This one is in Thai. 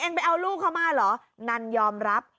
เอาลูกเข้ามาหรอนันนันยอมรับ